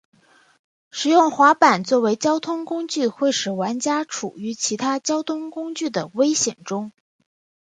使用滑板作为交通工具会使玩家处于其他交通工具的危险中。